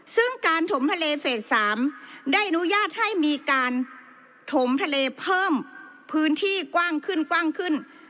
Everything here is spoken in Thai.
ซึ่งการถมทะเลเฟส๓ได้อนุญาตให้มีการถมทะเลเพิ่มพื้นที่กว้างขึ้นกว้างขึ้น